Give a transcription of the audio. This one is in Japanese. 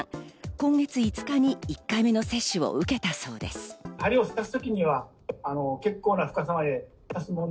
今月５日に１回目の接種を受けたそうです。